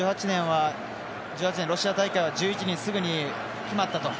１８年ロシア大会は１１人すぐに決まったと。